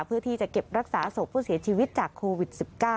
เพื่อที่จะเก็บรักษาศพผู้เสียชีวิตจากโควิด๑๙